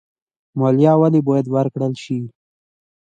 مالیه ولې باید ورکړل شي؟